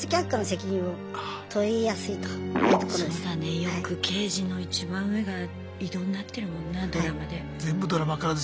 よく刑事のいちばん上が異動になってるもんなドラマで。